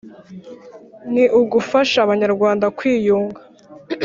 ni ugufasha abanyarwanda kwiyunga.